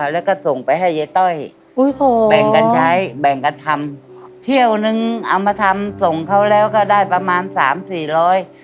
แล้วก็ส่งไปให้เย้ต้อยแบ่งกันใช้แบ่งกันทำเที่ยวนึงเอามาทำส่งเขาแล้วก็ได้ประมาณสามสี่ร้อย